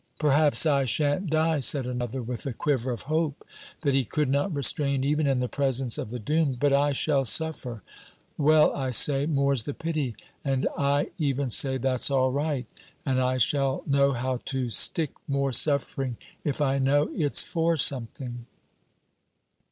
'" "Perhaps I shan't die," said another, with a quiver of hope that he could not restrain even in the presence of the doomed, "but I shall suffer. Well, I say, 'more's the pity,' and I even say 'that's all right'; and I shall know how to stick more suffering if I know it's for something."